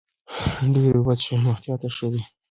ډېرې اوبه څښل روغتیا ته ښه دي.